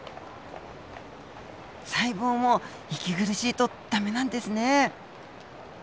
細胞も息苦しいとダメなんですね。